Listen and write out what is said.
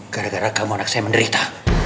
gara gara kamu anak saya menderita